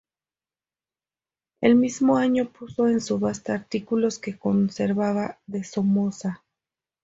El mismo año puso en subasta artículos que conservaba de Somoza.